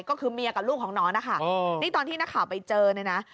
ก็คือเมียกับลูกของหนอนนะคะนี่ตอนที่นักข่าวไปเจอเนี่ยนะ